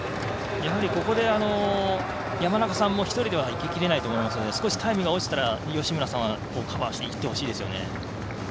ここで、山中さんも１人でいききれないと思いますので少しタイムが落ちたら吉村さんはカバーしていってほしいですよね。